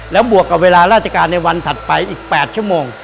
แล้วบวกกับเวลาราชการในวันถัดไปอีก๘ชั่วโมง